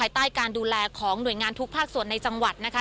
ใต้การดูแลของหน่วยงานทุกภาคส่วนในจังหวัดนะคะ